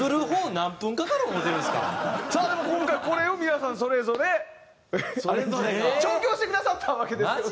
さあでは今回これを皆さんそれぞれ調教してくださったわけですけど。